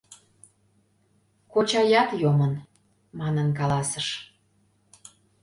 Кочаят, йомын, манын каласыш...